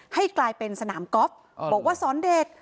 ให้กลายเป็นสนามกอล์ฟบอกว่าสอนเด็ก